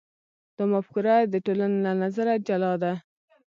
دا مفکوره د ټولنې له نظره جلا ده.